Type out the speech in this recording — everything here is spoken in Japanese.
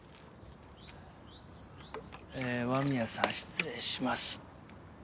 えー和宮さん失礼します。